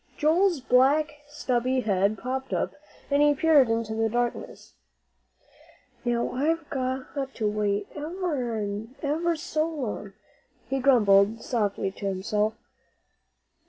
Joel's black stubby head popped up, and he peered into the darkness. "Now, I've got to wait ever'n ever so long," he grumbled softly to himself.